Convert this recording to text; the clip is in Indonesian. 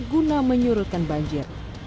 guna menyurutkan banjir